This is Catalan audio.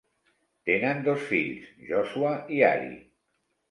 Tenen dos fills, Joshua i Ari.